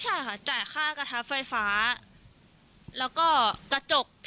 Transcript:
จ่ายค่ากระทะไฟฟ้ากับเรื่องของทำร้ายร่างกาย